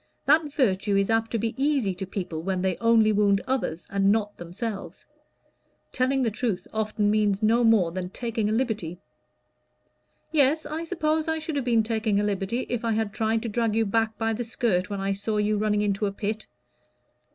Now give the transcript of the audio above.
"That virtue is apt to be easy to people when they only wound others and not themselves. Telling the truth often means no more than taking a liberty." "Yes, I suppose I should have been taking a liberty if I had tried to drag you back by the skirt when I saw you running into a pit."